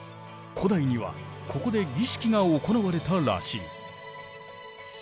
古代にはここで儀式が行われたらしい。